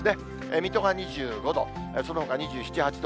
水戸が２５度、そのほか２７、８度。